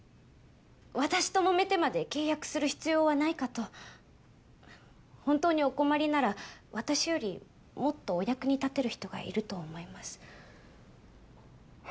私ともめてまで契約する必要はないかと本当にお困りなら私よりもっとお役に立てる人がいると思います